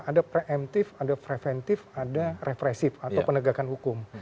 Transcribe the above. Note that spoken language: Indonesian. ada pre emptive ada preventive ada refresive atau penegakan hukum